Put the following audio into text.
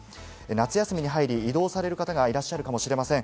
夏休みに入り移動される方がいらっしゃるかもしれません。